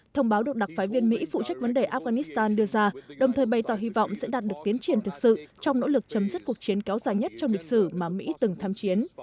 thông báo được đặc phái viên mỹ phụ trách vấn đề afghanistan đưa ra đồng thời bày tỏ hy vọng sẽ đạt được tiến triển thực sự trong nỗ lực chấm dứt cuộc chiến kéo dài nhất trong lịch sử mà mỹ từng tham chiến